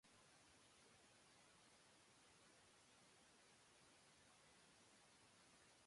কাউন্টিতে একটি উল্লেখযোগ্য ভিটিকালচার শিল্প রয়েছে।